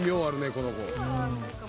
この子。